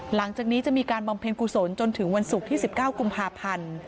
หลังจากนี้จะมีการบำเพ็ญกุศลจนถึงวันศุกร์ที่๑๙กุมภาพันธ์